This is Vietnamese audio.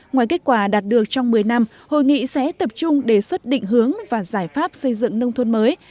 ngoài kết quả đạt được trong một mươi năm hội nghị sẽ tập trung đề xuất định hướng và giải pháp xây dựng nông thôn mới